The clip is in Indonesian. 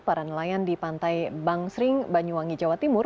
para nelayan di pantai bangsering banyuwangi jawa timur